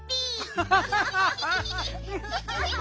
アハハハハ！